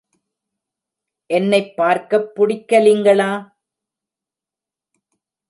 என்னைப் பார்க்கப் புடிக்கிலிங்களா?